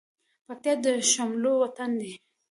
پکتيا د شملو وطن ده